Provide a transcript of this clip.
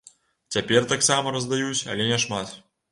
Цяпер таксама раздаюць, але няшмат.